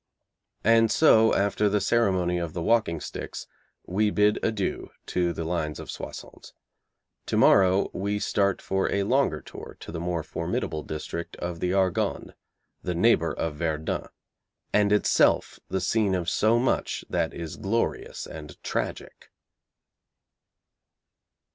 And so, after the ceremony of the walking sticks, we bid adieu to the lines of Soissons. To morrow we start for a longer tour to the more formidable district of the Argonne, the neighbour of Verdun, and itself the scene of so much that is glorious and tragic.